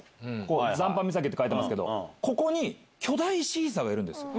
「残波岬」って書いてますけどここに巨大シーサーがいるんですよ。